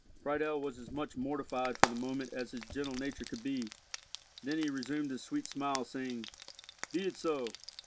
Friedel was as much mortified for the moment as his gentle nature could be. Then he resumed his sweet smile, saying, "Be it so!